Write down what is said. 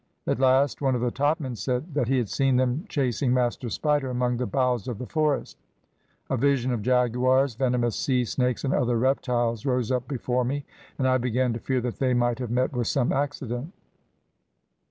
At last one of the topmen said that he had seen them chasing Master Spider among the boughs of the forest. A vision of jaguars, venomous sea snakes and other reptiles, rose up before me, and I began to fear that they might have met with some accident.